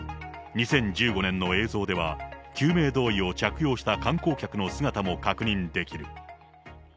２０１５年の映像では、救命胴衣を着用した観光客の姿も確認できる。